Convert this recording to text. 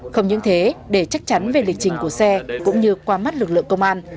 không những thế để chắc chắn về lịch trình của xe cũng như qua mắt lực lượng công an